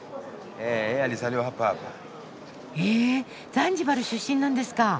ザンジバル出身なんですか！